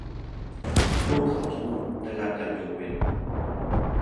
พวกเขาทั้งหมดได้รับการยกเว้น